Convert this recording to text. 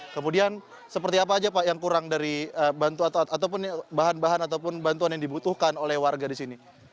kemudian seperti apa saja pak yang kurang dari bantuan ataupun bahan bahan ataupun bantuan yang dibutuhkan oleh warga di sini